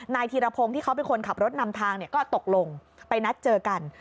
ธีรพงศ์ที่เขาเป็นคนขับรถนำทางก็ตกลงไปนัดเจอกัน